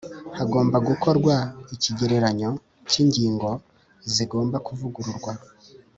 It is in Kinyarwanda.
hagomba gukorwa ikigereranyo cy’ingingo zigomba kuvugurwa